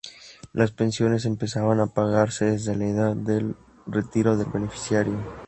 Las pensiones empezaban a pagarse desde la edad de retiro del beneficiario.